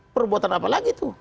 perubatan apa lagi itu